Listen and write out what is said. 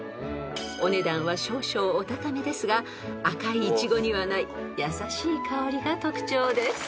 ［お値段は少々お高めですが赤いイチゴにはない優しい香りが特徴です］